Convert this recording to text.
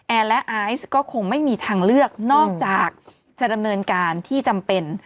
และไอซ์ก็คงไม่มีทางเลือกนอกจากจะดำเนินการที่จำเป็น